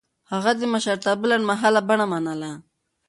هغه د مشرتابه لنډمهاله بڼه منله.